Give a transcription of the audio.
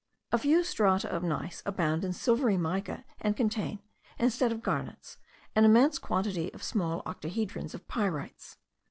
A few strata of gneiss abound in silvery mica, and contain, instead of garnets, an immense quantity of small octohedrons of pyrites.